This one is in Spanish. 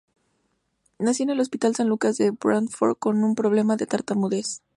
Nació en el Hospital San Lucas de Bradford con un problema de tartamudez.